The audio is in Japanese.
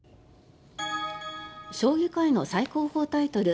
将棋界の最高峰タイトル